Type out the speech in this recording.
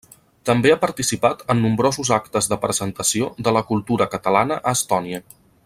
També ha participat en nombrosos actes de presentació de la cultura catalana a Estònia.